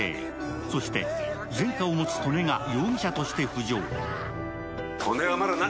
そして前科を持つ利根が容疑者として浮上。